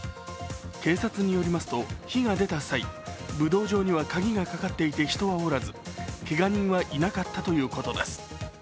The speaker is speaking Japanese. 警察によりますと、火が出た際、武道場には鍵がかかっていて人はおらずけが人はいなかったということです。